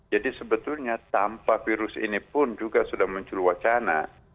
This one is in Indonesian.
jadi sebetulnya tanpa virus ini pun juga sudah muncul wacana